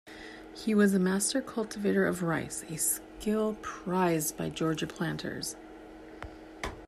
He was a master cultivator of rice, a skill prized by Georgia planters.